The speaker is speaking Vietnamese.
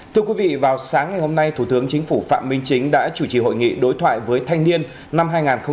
thưa quý vị vào sáng ngày hôm nay thủ tướng chính phủ phạm minh chính đã chủ trì hội nghị đối thoại với thanh niên năm hai nghìn hai mươi ba